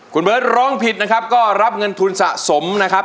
คุณเบิร์ตร้องผิดนะครับก็รับเงินทุนสะสมนะครับ